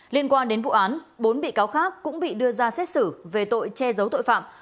liên quan đến vụ án bốn bị cáo khác cũng bị đưa ra xét xử về tội che giấu tội phạm